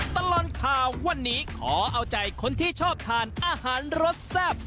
ตลอดข่าววันนี้ขอเอาใจคนที่ชอบทานอาหารรสแซ่บ